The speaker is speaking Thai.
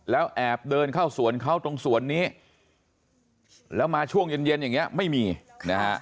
แล้วแอบเดินเข้าสวนเขาตรงสวนนี้แล้วมาช่วงเย็นเย็นอย่างเงี้ยไม่มีนะฮะ